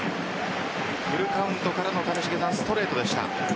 フルカウントからのストレートでした。